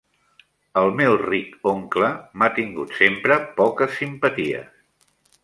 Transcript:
El meu ric oncle, m'ha tingut sempre poques simpaties.